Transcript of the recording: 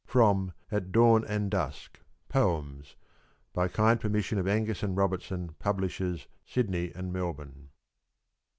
(_From "At Dawn and Dusk" poems, by kind permission of Angus and Robertson, Publishers, Sydney and Melbourne.